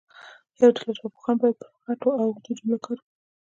یوه ډله ژبپوهان باید پر غټو او اوږدو جملو کار وکړي.